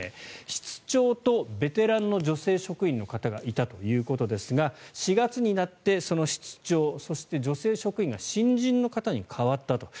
室長とベテランの女性職員の方がいたということですが４月になってその室長そしてその女性職員が新人の方に代わったと。